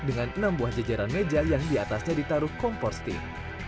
dengan enam buah jejaran meja yang diatasnya ditaruh kompor steak